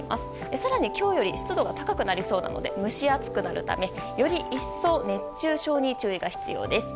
更に今日より湿度が高くなりそうなので蒸し暑くなるためより一層熱中症に注意が必要です。